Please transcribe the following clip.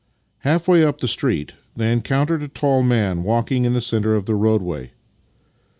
Halfway up the street they encountered a tall man walking in the centre of the roadway.